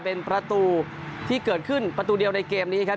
เป็นประตูที่เกิดขึ้นประตูเดียวในเกมนี้ครับ